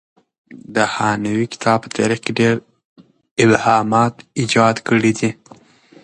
د هانوې کتاب په تاریخ کې ډېر ابهامات ایجاد کړي دي.